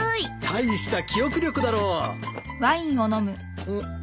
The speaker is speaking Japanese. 大した記憶力だろう。